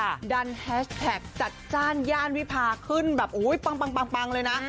จัดจ้านแฮชแท็กจัดจ้านย่านวิภาขึ้นแบบโอ้ยปังเลยนะ